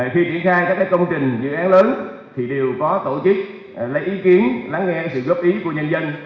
khi triển khai các công trình dự án lớn thì đều có tổ chức lấy ý kiến lắng nghe sự góp ý của nhân dân